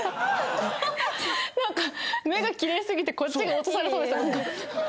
目がきれいすぎてこっちが落とされそうでした。